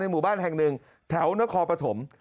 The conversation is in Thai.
ในหมู่บ้านแห่งหนึ่งแถวเนื้อคอปฐม